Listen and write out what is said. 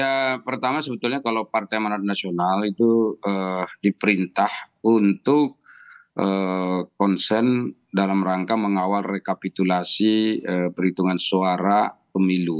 ya pertama sebetulnya kalau partai manado nasional itu diperintah untuk konsen dalam rangka mengawal rekapitulasi perhitungan suara pemilu